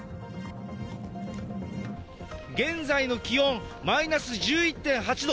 現在の気温、マイナス１１．８度。